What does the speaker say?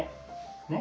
ねっ！